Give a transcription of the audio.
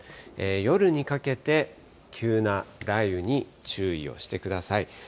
夜にかけて急な雷雨に注意をしてください。